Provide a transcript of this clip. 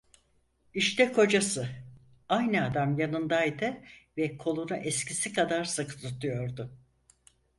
İşte kocası, aynı adam yanındaydı ve kolunu eskisi kadar sıkı tutuyordu.